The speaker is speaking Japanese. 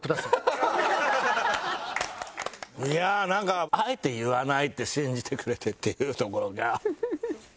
いやあなんかあえて言わないって信じてくれてっていうところが。